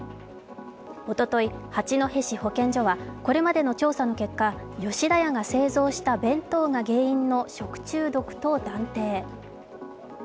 おととい、八戸市保健所はこれまでの調査の結果、吉田屋が製造した弁当が原因の食中毒と断定。